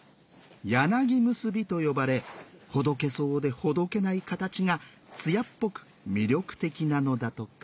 「柳結び」と呼ばれほどけそうでほどけない形が艶っぽく魅力的なのだとか。